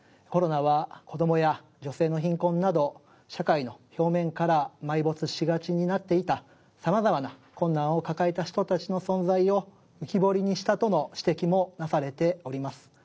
コロナは子どもや女性の貧困など社会の表面から埋没しがちになっていた様々な困難を抱えた人たちの存在を浮き彫りにしたとの指摘もなされております。